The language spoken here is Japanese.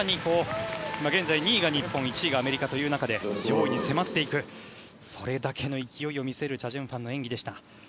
現在２位が日本、アメリカが１位という中で、更に上位に迫っていくそれだけの勢いを見せるチャ・ジュンファンの演技でした。